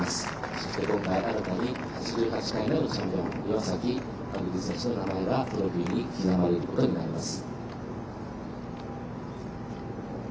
そして今回、新たに８８回目のチャンピオン岩崎亜久竜選手の名前がトロフィーに刻まれることになります。